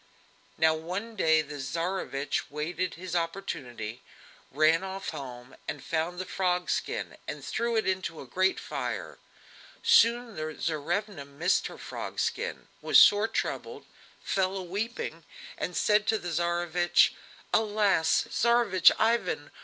Now one day the Tsarevich waited his opportunity, ran off home, found the frog skin and threw it into a great fire. Soon the Tsarevna missed her frog skin, was sore troubled, fell a weeping, and said to the Tsarevich: "Alas! Tsarevich Ivan!